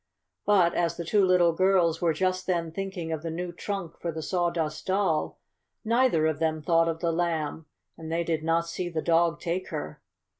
But as the two little girls were just then thinking of the new trunk for the Sawdust Doll, neither of them thought of the Lamb, and they did not see the dog take her.